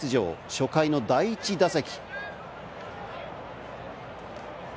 初回の第１打席。